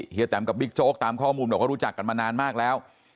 แตมกับบิ๊กโจ๊กตามข้อมูลบอกว่ารู้จักกันมานานมากแล้ว